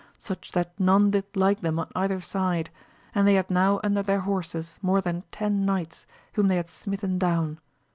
Such that none did like them on either side, and they had now under their horses more than ten knights, whom they had smitten down.